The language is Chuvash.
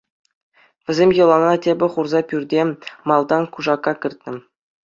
Вӗсем йӑлана тӗпе хурса пӳрте малтан кушака кӗртнӗ.